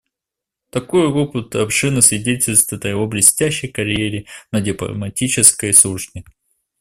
Такой опыт обширно свидетельствует о его блестящей карьере на дипломатической службе.